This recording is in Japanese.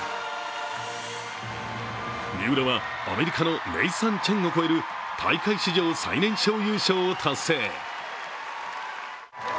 三浦はアメリカのネイサン・チェンを超える大会史上最年少優勝を達成。